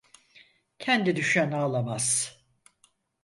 Kendi düşen ağlamaz.